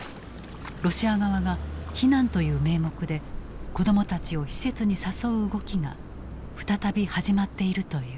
ロシア側が避難という名目で子どもたちを施設に誘う動きが再び始まっているという。